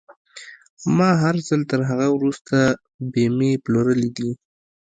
ما هر ځل تر هغه وروسته بيمې پلورلې دي.